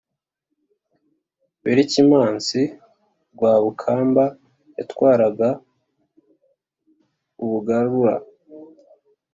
Berkimansi Rwabukamba yatwaraga Ubugarura.